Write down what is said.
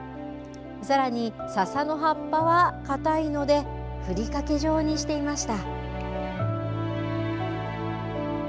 さらに、ささの葉っぱは硬いのでふりかけ状にしていました。